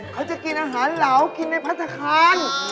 เขาจะกินอาหารเหลากินในพัฒนาคาร